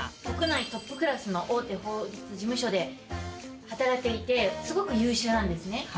国内トップクラスの大手法律事務所で働いていてすごく優秀なんですね。